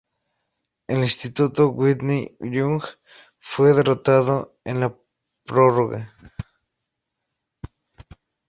El instituto "Whitney Young" fue derrotado en la prórroga.